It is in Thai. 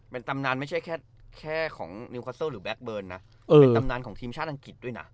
เป็นตำนานไม่ใช่แค่แค่ของหรือนะเออเป็นตำนานของทีมชาติอังกฤษด้วยน่ะ